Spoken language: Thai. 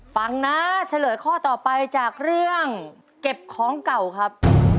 ฟังนะเฉลยข้อต่อไปจากเรื่องเก็บของเก่าครับ